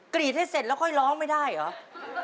กรีดให้เสร็จแล้วค่อยร้องไม่ได้เหรอ